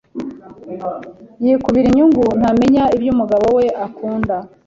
yikubira inyungu. Ntamenya ibyo umugabo we akunda